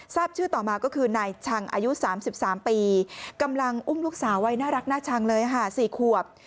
ทราบชื่อต่อมาก็คือนายชังอายุ๓๓ปีกำลังอุ้มลูกสาวไว้น่ารักน่าชังเลยค่ะ๔ขวบ